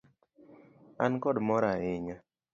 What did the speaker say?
An kod mor ahinya.